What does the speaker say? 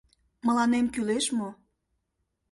Мыланем кӱлеш мо?